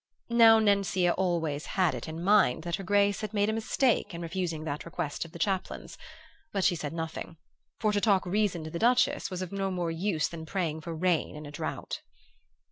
Now Nencia always had it in mind that her grace had made a mistake in refusing that request of the chaplain's; but she said nothing, for to talk reason to the Duchess was of no more use than praying for rain in a drought.